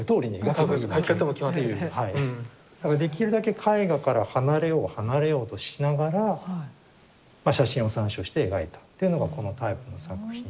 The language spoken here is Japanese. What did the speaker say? できるだけ絵画から離れよう離れようとしながら写真を参照して描いたというのがこのタイプの作品で。